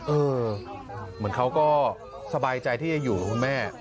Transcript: เหมือนเขาก็สบายใจที่จะอยู่กับคุณแม่